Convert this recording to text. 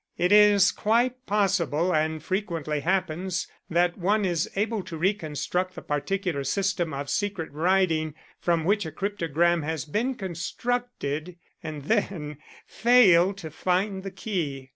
It is quite possible, and frequently happens, that one is able to reconstruct the particular system of secret writing from which a cryptogram has been constructed, and then fail to find the key.